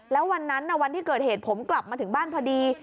แล้ววันนั้นวันที่เกิดเหตุผมกลับมาถึงบ้านพอดี